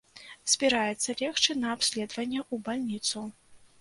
Збіраецца легчы на абследаванне ў бальніцу.